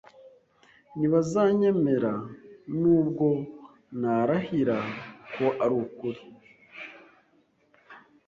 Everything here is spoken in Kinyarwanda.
Ntibazanyemera nubwo narahira ko arukuri.